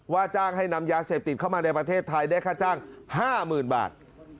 จ้างให้นำยาเสพติดเข้ามาในประเทศไทยได้ค่าจ้าง๕๐๐๐บาท